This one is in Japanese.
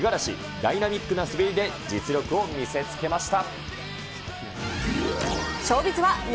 ダイナミックな滑りで、実力を見せつけました。